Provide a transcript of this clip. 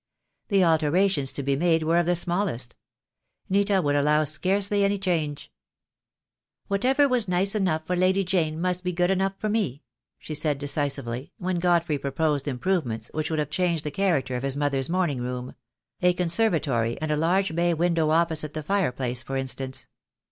The alterations to be made were of the smallest. Nita would allow scarcely any change. 38 THE DAY WILL COME. "Whatever was nice enough for Lady Jane must be good enough for me," she said, decisively, when Godfrey proposed improvements which would have changed the character of his mother's morning room; a conservatory, and a large bay window opposite the fire place, for instance.